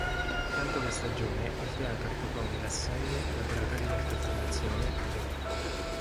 Accanto alla stagione, il teatro propone rassegne, laboratori di alta formazione ed eventi.